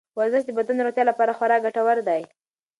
ورزش د بدن د روغتیا لپاره خورا ګټور دی.